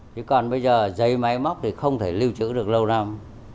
chứ còn bây giờ dây máy móc thì không thể lưu trữ được lâu năm